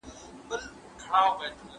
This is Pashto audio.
کړاوونو یې اراده ماته نه کړه